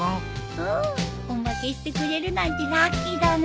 うん！オマケしてくれるなんてラッキーだね。